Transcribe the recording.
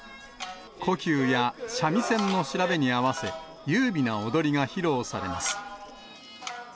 こ弓や三味線の調べに合わせ、優美な踊りが披露されます。